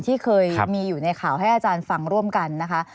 ที่เคยมีอยู่ในข่าวให้อาจารย์ฟังร่วมกันนะคะ